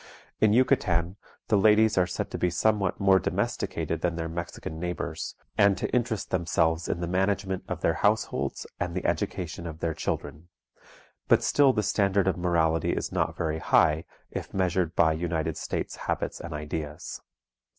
In Yucatan, the ladies are said to be somewhat more domesticated than their Mexican neighbors, and to interest themselves in the management of their households and the education of their children; but still the standard of morality is not very high, if measured by United States habits and ideas.